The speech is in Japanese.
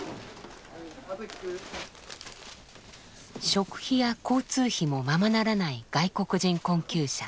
食費や交通費もままならない外国人困窮者